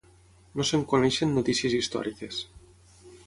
No se'n coneixen notícies històriques.